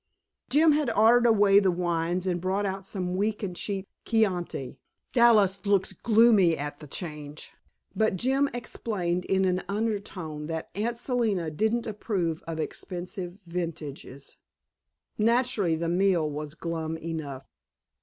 Jim had ordered away the wines and brought out some weak and cheap Chianti. Dallas looked gloomy at the change, but Jim explained in an undertone that Aunt Selina didn't approve of expensive vintages. Naturally, the meal was glum enough.